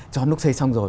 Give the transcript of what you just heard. cho nút xây xong rồi